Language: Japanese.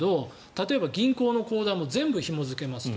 例えば、銀行の口座も全部ひも付けますと。